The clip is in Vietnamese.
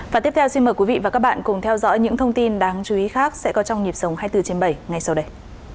và tiếp theo xin mời quý vị và các bạn cùng theo dõi những thông tin đáng chú ý khác sẽ có trong nhịp sống hai mươi bốn trên bảy ngay sau đây